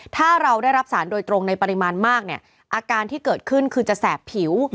ถ้าเราได้รับสารโดยตรงในปริมาณมากเนี่ยอาการที่เกิดขึ้นคือจะแสบผิว